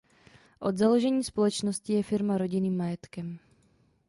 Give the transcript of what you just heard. Od založení společnosti je firma rodinným majetkem.